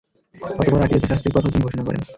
অতঃপর আখিরাতের শাস্তির কথাও তিনি ঘোষণা করেন।